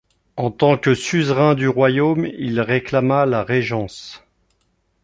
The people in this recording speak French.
En tant que suzerain du Royaume, il réclama la régence.